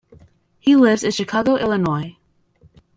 He lives in Chicago, Illinois.